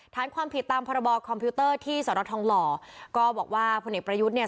ฐานความผิดตามพรบคอมพิวเตอร์ที่สรทองหล่อก็บอกว่าพลเอกประยุทธ์เนี่ย